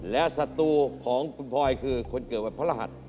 และศัตรูของคุณพลอยคือคนเกิดวันพระรหัส